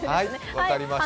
分かりました。